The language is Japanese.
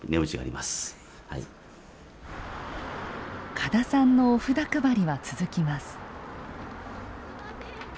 嘉田さんのお札配りは続きます。